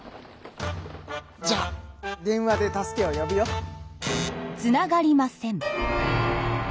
じゃあ電話で助けをよぶよ。つながりません。